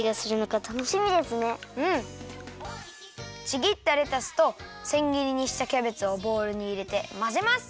ちぎったレタスとせんぎりにしたキャベツをボウルにいれてまぜます。